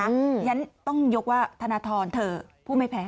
ฉันต้องยกว่าธนทรเถอะผู้ไม่แพ้